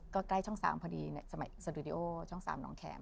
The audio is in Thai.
ก็ใกล้ช่อง๓พอดีในสมัยสตูดิโอช่อง๓หนองแข็ม